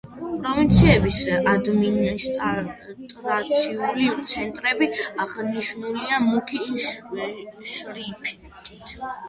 პროვინციების ადმინისტრაციული ცენტრები აღნიშნულია მუქი შრიფტით.